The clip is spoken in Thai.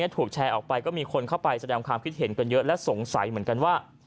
ถูกแชร์ออกไปก็มีคนเข้าไปแสดงความคิดเห็นกันเยอะและสงสัยเหมือนกันว่า